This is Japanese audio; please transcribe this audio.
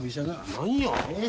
何や。